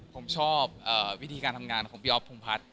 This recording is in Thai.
ผมชอบวิธีการทำงานของพี่ออฟภูมิภัทร